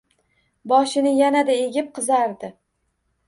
Boshini yanada egib, qizardi.